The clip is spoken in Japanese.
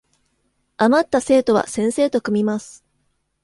あまった生徒は先生と組みます